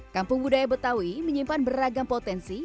kampung budaya betawi menyimpan beragam potensi